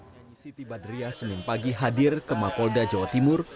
denny siti badriah senin pagi hadir ke mapolda jawa timur